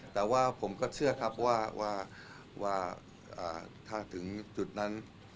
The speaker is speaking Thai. แต่ว่าผมก็เชื่อครับว่าถ้าถึงจุดนั้น